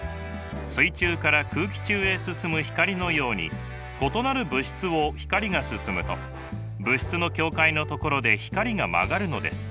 水中から空気中へ進む光のように異なる物質を光が進むと物質の境界のところで光が曲がるのです。